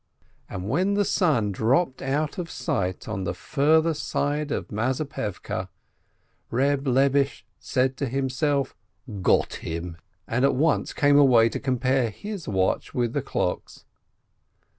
And when the sun dropt out of sight on the further side of 116 SHOLOM ALECHEM Mazepevke, Eeb Lebish said to himself, "Got him !" and at once came away to compare his watch with the clocks.